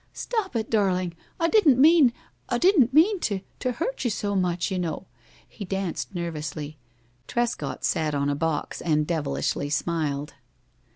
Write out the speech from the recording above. "Stop it, darling! I didn't mean I didn't mean to to hurt you so much, you know." He danced nervously. Trescott sat on a box, and devilishly smiled.